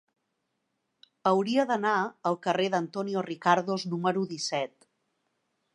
Hauria d'anar al carrer d'Antonio Ricardos número disset.